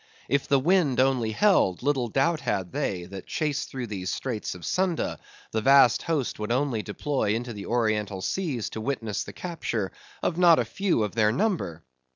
If the wind only held, little doubt had they, that chased through these Straits of Sunda, the vast host would only deploy into the Oriental seas to witness the capture of not a few of their number.